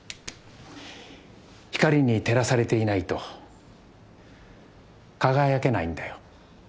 光に照らされていないと輝けないんだよ。